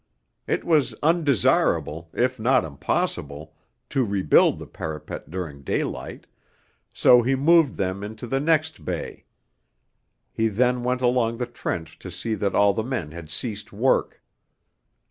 It was undesirable, if not impossible, to rebuild the parapet during daylight, so he moved them into the next bay. He then went along the trench to see that all the men had ceased work.